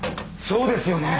そうですよね。